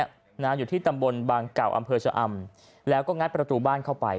อยู่ที่ตำบลบางเก่าอำเภอชะอำแล้วก็งัดประตูบ้านเข้าไป